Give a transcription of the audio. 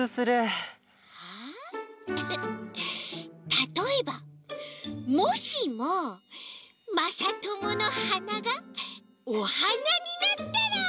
たとえばもしもまさとものはながおはなになったら。